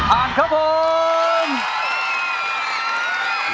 อาณครับผม